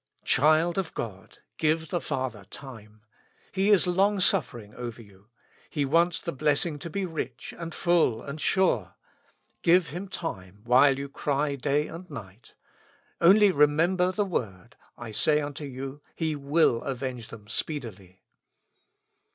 Child of God ! give the Father time. He is long suffering over you. He wants the blessing to be rich, and full, and sure ; give Him time, while you cry day and night. Only remember the word: "I say unto you, He will avenge them speedily."